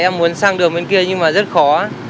em muốn sang đường bên kia nhưng mà rất khó